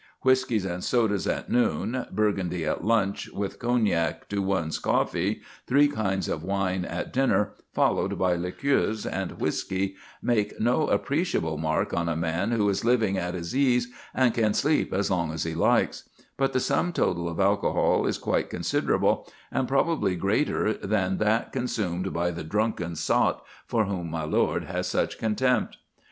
Whiskies and sodas at noon, Burgundy at lunch, with cognac to one's coffee, three kinds of wine at dinner, followed by liqueurs and whisky, make no appreciable mark on a man who is living at his ease and can sleep as long as he likes; but the sum total of alcohol is quite considerable, and probably greater than that consumed by the "drunken sot" for whom my lord has such contempt.